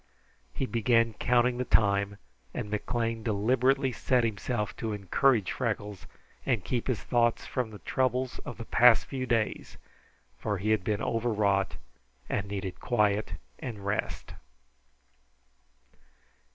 He began counting the time, and McLean deliberately set himself to encourage Freckles and keep his thoughts from the trouble of the past few days, for he had been overwrought and needed quiet and rest.